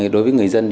đối với người dân